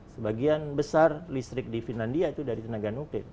sebagian besar listrik di finlandia itu dari tenaga nuklir